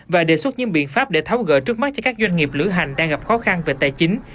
và đề xuất những biện pháp để tháo gỡ trước mắt cho các doanh nghiệp lữ hành đang gặp khó khăn về tài chính